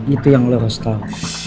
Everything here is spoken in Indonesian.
itu yang lo harus tau